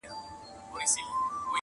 نشه یمه تر اوسه جام مي بل څکلی نه دی,